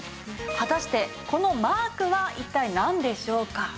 果たしてこのマークは一体なんでしょうか？